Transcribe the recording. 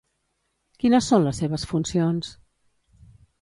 Quines són les seves funcions?